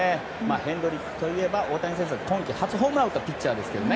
ヘンドリックスといえば大谷選手が今季初ホームランを打ったピッチャーですね。